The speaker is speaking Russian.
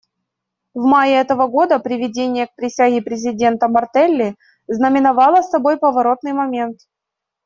В мае этого года приведение к присяге президента Мартелли знаменовало собой поворотный момент.